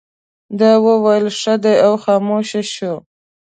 ده وویل ښه دی او خاموش شو.